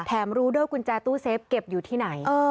รู้ด้วยกุญแจตู้เซฟเก็บอยู่ที่ไหน